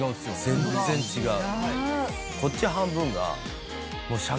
全然違う！